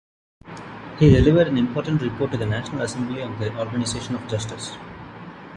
He delivered an important report to the National Assembly on the organization of justice.